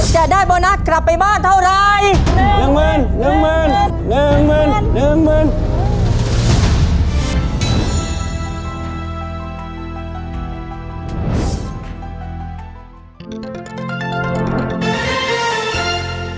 จะได้โบนัสกลับไปบ้านเท่าไร๑หมื่น๑หมื่น๑หมื่น๑หมื่น